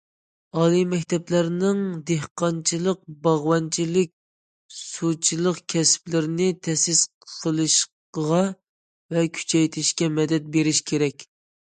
ئالىي مەكتەپلەرنىڭ دېھقانچىلىق، باغۋەنچىلىك، سۇچىلىق كەسىپلىرىنى تەسىس قىلىشىغا ۋە كۈچەيتىشىگە مەدەت بېرىش كېرەك.